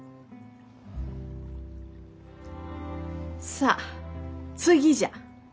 さあ次じゃ。